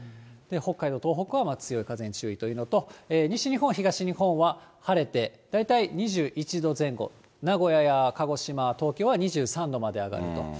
北海道、東北は強い風に注意というのと、西日本、東日本は晴れて、大体２１度前後、名古屋や鹿児島、東京は２３度まで上がると。